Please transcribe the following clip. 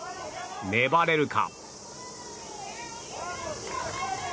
粘れるか。